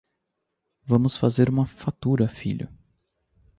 Vamos fazer uma fatura, filho!